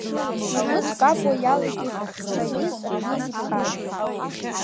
Игәы ҵкапуа иалагеит Рамиз Рамиз-иԥа.